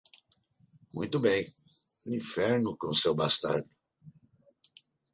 Muito bem, inferno com seu bastardo.